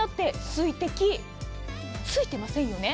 水滴、ついてませんよね？